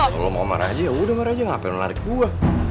kalau lu mau sama raja yaudah sama raja gak perlu narik gue